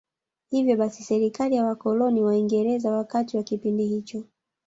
Hivyo basi serikali ya wakoloni Waingereza wakati wa kipindi hicho